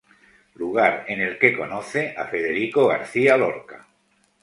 Lugar en el que conoce a Federico García Lorca.